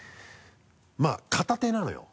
まぁ片手なのよ。